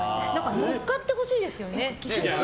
乗っかってほしいですよね。